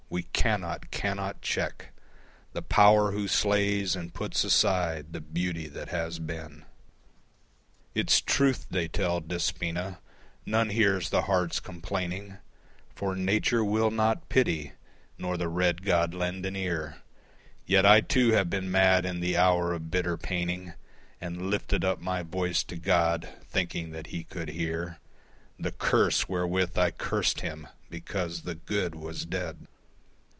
We cannot, cannot check The Power who slays and puts aside the beauty that has been. It's truth they tell, Despoina, none hears the heart's complaining For Nature will not pity, nor the red God lend an ear, Yet I too have been mad in the hour of bitter paining And lifted up my voice to God, thinking that he could hear The curse wherewith I cursed Him because the Good was dead.